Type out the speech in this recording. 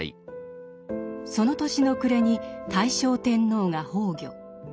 その年の暮れに大正天皇が崩御。